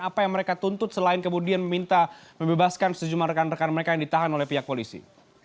apa yang mereka tuntut selain kemudian meminta membebaskan sejumlah rekan rekan mereka yang ditahan oleh pihak polisi